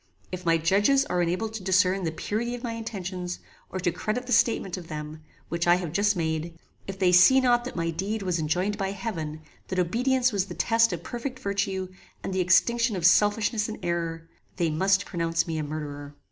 If my judges are unable to discern the purity of my intentions, or to credit the statement of them, which I have just made; if they see not that my deed was enjoined by heaven; that obedience was the test of perfect virtue, and the extinction of selfishness and error, they must pronounce me a murderer.